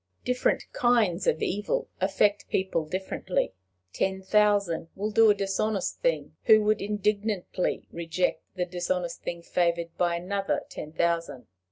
Different kinds of evil affect people differently. Ten thousand will do a dishonest thing, who would indignantly reject the dishonest thing favored by another ten thousand.